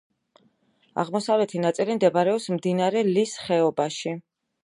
აღმოსავლეთი ნაწილი მდებარეობს მდინარე ლის ხეობაში.